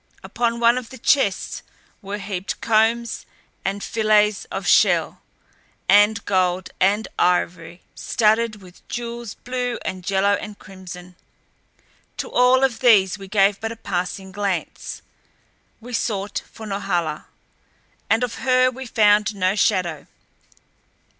Upon one of the chests were heaped combs and fillets of shell and gold and ivory studded with jewels blue and yellow and crimson. To all of these we gave but a passing glance. We sought for Norhala. And of her we found no shadow.